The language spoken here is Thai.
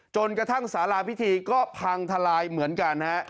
จนกระทั่งสาราพิธีก็พังทลายเหมือนกันฮะ